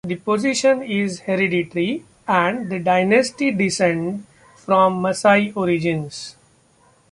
The position is hereditary, and the dynasty descend from Maasai origins.